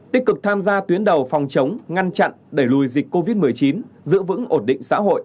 tích cực tham gia tuyến đầu phòng chống ngăn chặn đẩy lùi dịch covid một mươi chín giữ vững ổn định xã hội